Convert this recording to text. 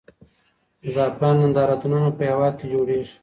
د زعفرانو نندارتونونه په هېواد کې جوړېږي.